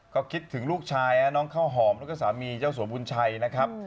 ก็คิดถึงลูกชายน้องข้าวหอมแล้วก็สามีเจ้าสัวบุญชัยนะครับ